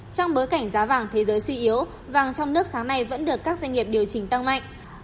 trong bối cảnh giá vàng thế giới suy yếu vàng trong nước sáng nay vẫn được các doanh nghiệp điều chỉnh tăng mạnh